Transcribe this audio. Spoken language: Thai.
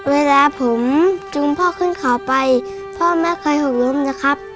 เวลาผมจุงพ่อขึ้นเขาไปพ่อไม่เคยหกล้มนะครับ